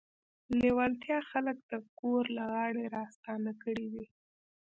لېوالتیا خلک د ګور له غاړې راستانه کړي دي.